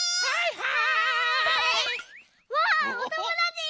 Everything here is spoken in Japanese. はい！